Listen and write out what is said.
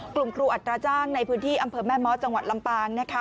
ครูอัตราจ้างในพื้นที่อำเภอแม่ม้อจังหวัดลำปาง